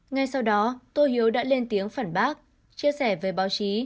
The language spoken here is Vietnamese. ngay sau đó tô hiếu đã lên tiếng phản bác chia sẻ về báo chí